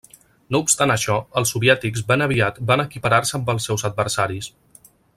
No obstant això, els soviètics ben aviat van equiparar-se amb els seus adversaris.